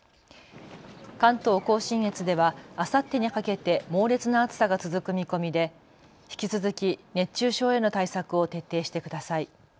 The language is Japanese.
関東甲信越ではあさってにかけて猛烈な暑さが続く見込みで引き続き熱中症への対策を徹底してください。